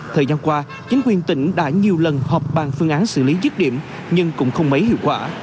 thời gian qua chính quyền tỉnh đã nhiều lần họp bàn phương án xử lý dứt điểm nhưng cũng không mấy hiệu quả